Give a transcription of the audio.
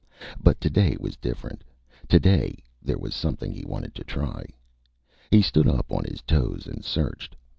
But today was different, today there was something he wanted to try. He stood up on his toes and searched.